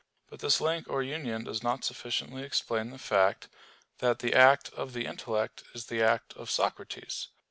But this link or union does not sufficiently explain the fact, that the act of the intellect is the act of Socrates.